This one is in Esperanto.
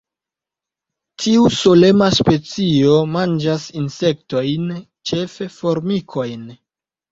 Tiu solema specio manĝas insektojn, ĉefe formikojn.